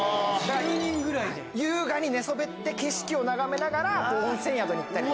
優雅に寝そべって景色を眺めながら温泉宿に行ったり。